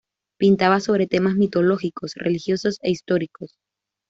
Pintaba sobre temas mitológicos, religiosos e históricos.